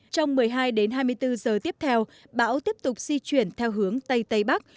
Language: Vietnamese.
trong một mươi hai đến hai mươi bốn giờ tiếp theo bão tiếp tục di chuyển theo hướng tây tây bắc